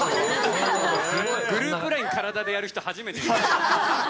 グループＬＩＮＥ、体でやる人初めて見ました。